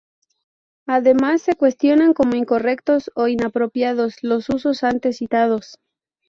Además, se cuestionan como incorrectos o inapropiados los usos antes citados.